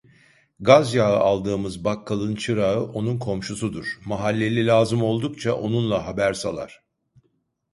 Gazyağı aldığımız bakkalın çırağı onun komşusudur, mahalleli, lazım oldukça onunla haber salar!